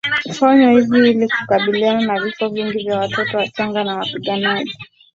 Hufanywa hivi ili kukabiliana na vifo vingi vya watoto wachanga na wapiganaji